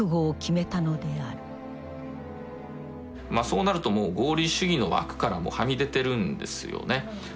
そうなるともう合理主義の枠からもはみ出てるんですよね。